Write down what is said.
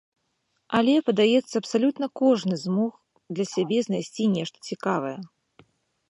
Але, падаецца, абсалютна кожны змог для сябе знайсці нешта цікавае.